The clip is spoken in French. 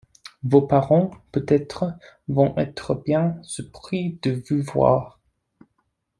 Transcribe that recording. Vos parents, peut-être, vont être bien surpris de vous voir.